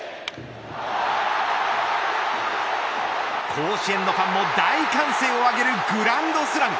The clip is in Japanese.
甲子園のファンも大歓声を上げるグランドスラム。